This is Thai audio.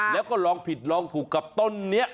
แล้วก็ลองผิดลองถูกกับต้นนี้